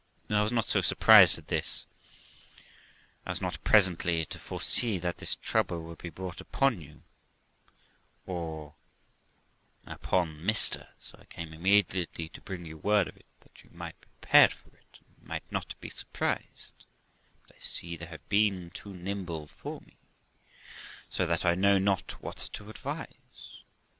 'I was not so surprised at this as not presently to foresee that this trouble would be brought upon you, or upon Mr ; so I came immedi ately to bring word of it, that you might be prepared for it, and might not be surprised ; but I see they have been too nimble for me, so that I know not what to advise.